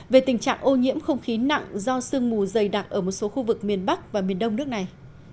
về tình trạng ô nhiễm không khí nặng do sương mù dày đặc ở một số khu vực miền bắc và miền đông nước này